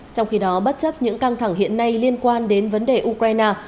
trong khi đó bất chấp những căng thẳng hiện nay liên quan đến vấn đề ukraine